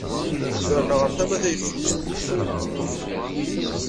Berneɣ ar tama tayeffust.